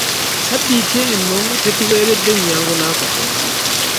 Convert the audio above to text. Ssabbiiti ebo tetubeeredde nnyangu n'akamu.